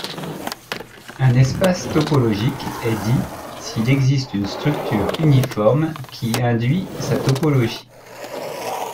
Un espace topologique est dit s'il existe une structure uniforme qui induit sa topologie.